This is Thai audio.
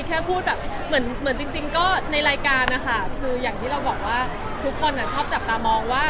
แค่พูดแบบเหมือนจริงก็ในรายการนะคะคืออย่างที่เราบอกว่าทุกคนชอบจับตามองว่า